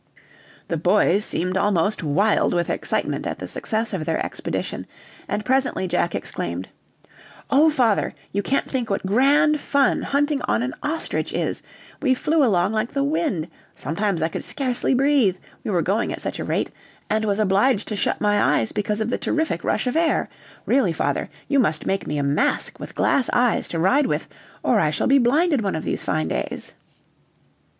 The boys seemed almost wild with excitement at the success of their expedition, and presently Jack exclaimed: "Oh, father, you can't think what grand fun hunting on an ostrich is; we flew along like the wind; sometimes I could scarcely breathe, we were going at such a rate, and was obliged to shut my eyes because of the terrific rush of air; really, father, you must make me a mask with glass eyes to ride with, or I shall be blinded one of these fine days."